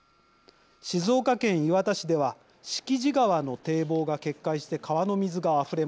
静岡県磐田市では敷地川の堤防が決壊して川の水があふれました。